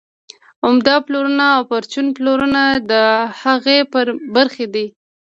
عمده پلورنه او پرچون پلورنه د هغې برخې دي